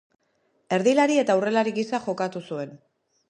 Erdilari eta aurrelari gisa jokatu zuen.